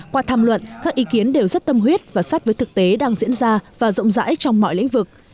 qua tham luận các ý kiến đều rất tâm huyết và sát với thực tế đang diễn ra và rộng rãi trong mọi lĩnh vực